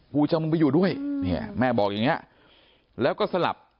จะเอามึงไปอยู่ด้วยเนี่ยแม่บอกอย่างนี้แล้วก็สลับ